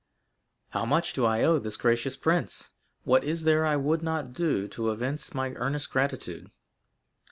"How much do I owe this gracious prince! What is there I would not do to evince my earnest gratitude!"